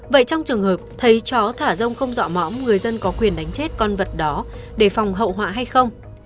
vậy trong trường hợp thấy chó thả rông không dọa mõm người dân có quyền đánh chết con vật đó để phòng hậu họa hay không